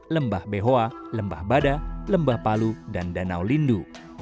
lembah behoa lembah bada lembah palu dan danau lindu